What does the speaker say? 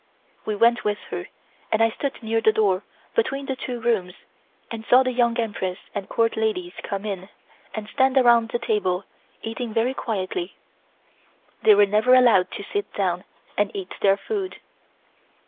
We went with her and I stood near the door between the two rooms and saw the Young Empress and Court ladies come in and stand around the table eating very quietly. They were never allowed to sit down and eat their food.